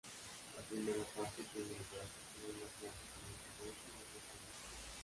La primera parte tiene lugar en una plaza con un salón y un restaurante.